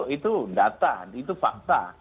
itu data itu fakta